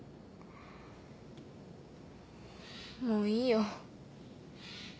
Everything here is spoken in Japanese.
もういいよ。